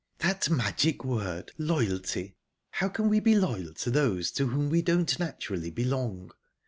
"That magic word 'loyalty'! How can we be loyal to those to whom we don't naturally belong?